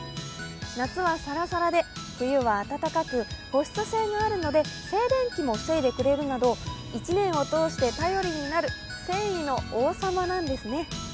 夏はサラサラで、冬は暖かく保湿性があるので、静電気も防いでくれるなど１年を通して頼りになる繊維の王様なんですよね。